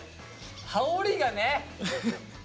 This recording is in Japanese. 羽織がね！